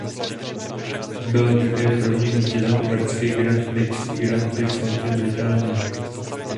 Byl také prvním vítězem americké Grand Prix i Grand Prix Velké Británie.